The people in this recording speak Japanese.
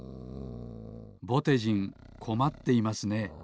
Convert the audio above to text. ぼてじんこまっていますね。